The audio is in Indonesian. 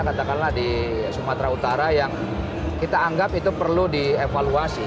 katakanlah di sumatera utara yang kita anggap itu perlu dievaluasi